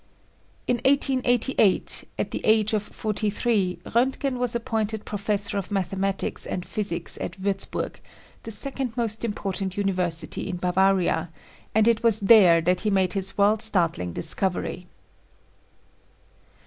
In 1888, at the age of 43, Roentgen was appointed Professor of J Mathematics and Physics at Wurzburg, the second most important ^ university in Bavaria, and it was there that he made his world startling discovery.